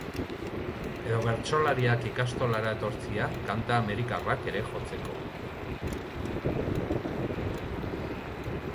Edo bertsolariak ikastolara etortzea kanta amerikarrak ere jotzeko.